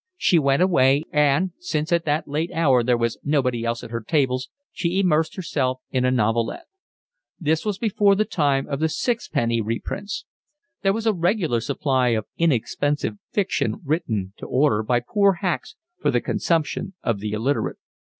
She went away and, since at that late hour there was nobody else at her tables, she immersed herself in a novelette. This was before the time of the sixpenny reprints. There was a regular supply of inexpensive fiction written to order by poor hacks for the consumption of the illiterate.